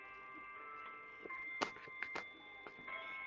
台湾裔澳洲人是指来自台湾并且入籍成为澳洲公民的人士。